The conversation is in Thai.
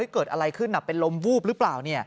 เกิดอะไรขึ้นเป็นลมวูบหรือเปล่า